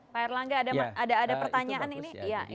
pak erlangga ada pertanyaan ini